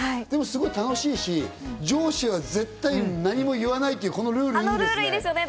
楽しいし、上司は絶対、何も言わないっていうこのルールいですね。